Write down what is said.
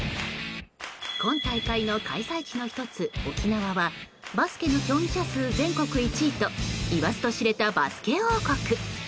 今大会の開催地の１つ、沖縄はバスケの競技者数全国１位といわずとしれたバスケ王国。